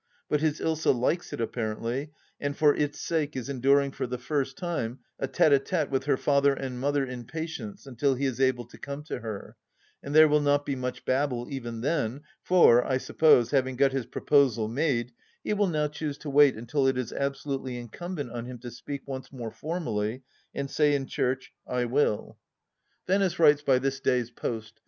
But his Ilsa likes it apparently, and for its sake is enduring for the first time a tSte d tite with her father and mother in patience until he is able to come to her; and there will not be much babble even then, for, I suppose, having got his proposal made, he will now choose to wait until it is absolutely incumbent on him to speak once more formally and say in church, " I wm." 178 174 THE LAST DITCH Venice writes by this day's post.